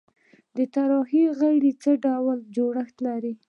اطراحیه غړي څه ډول جوړښت لري؟